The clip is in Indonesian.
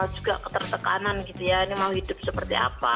juga ketertekanan gitu ya ini mau hidup seperti apa